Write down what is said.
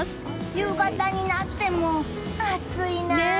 夕方になっても暑いなあ。